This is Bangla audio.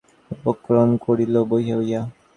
বলিয়া বিনয় বাহির হইয়া যাইবার উপক্রম করিল।